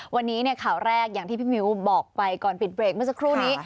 วันนี้ข่าวแรกอย่างที่พี่มิ้วบอกไปก่อนปิดเบรกเมื่อสักครู่นี้